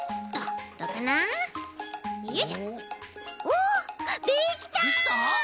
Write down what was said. おっできた！